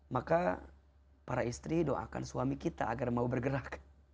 maka para istri doakan suami kita agar mau bergerak